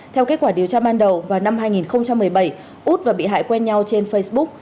theo kết quả điều tra ban đầu vào năm hai nghìn một mươi bảy út và bị hại quen nhau trên facebook